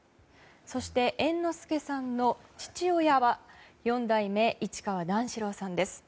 そして、猿之助さんの父親は四代目市川段四郎さんです。